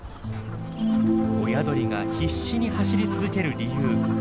親鳥が必死に走り続ける理由。